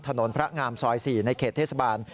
ถนนพระงามซอย๔ในเขตเทศบาล